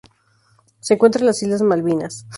Se encuentra en las Islas Malvinas.